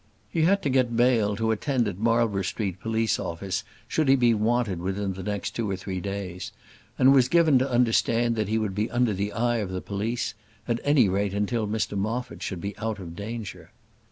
He had to get bail to attend at Marlborough Street police office should he be wanted within the next two or three days; and was given to understand that he would be under the eye of the police, at any rate until Mr Moffat should be out of danger.